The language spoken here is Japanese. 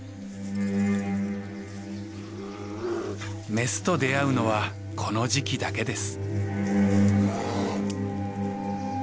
メスと出会うのはこの時期だけです。